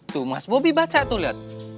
tuh mas bobi baca tuh lihat